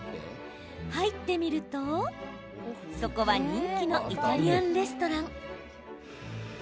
入ってみると、そこは人気のイタリアンレストラン。